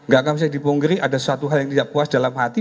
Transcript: gak akan bisa dipunggiri ada sesuatu yang tidak puas dalam hati